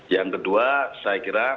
yang kedua saya kira